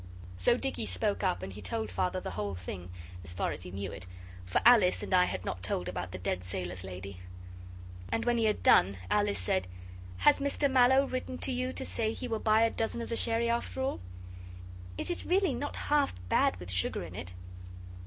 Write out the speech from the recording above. So Dicky spoke up, and he told Father the whole thing, as far as he knew it, for Alice and I had not told about the dead sailors' lady. And when he had done, Alice said, 'Has Mr Mallow written to you to say he will buy a dozen of the sherry after all? It is really not half bad with sugar in it.